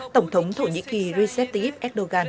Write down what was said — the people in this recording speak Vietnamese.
tổng thống thổ nhĩ kỳ recep tayyip erdogan dựng